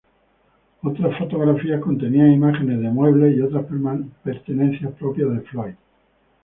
Otras fotografías contenían imágenes de muebles y otras pertenencias propiedad de Floyd.